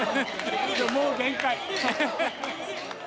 もう限界！